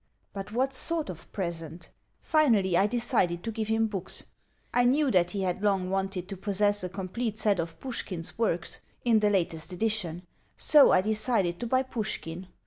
But what sort of present? Finally, I decided to give him books. I knew that he had long wanted to possess a complete set of Pushkin's works, in the latest edition; so, I decided to buy Pushkin.